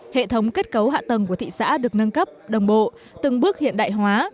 hệ thống kết cấu hạ tầng của thị xã được nâng cấp đồng bộ từng bước hiện đại hóa